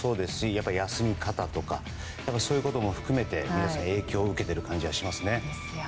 やっぱり休み方とかそういうことも含めて皆さん影響を受けている気がしますね。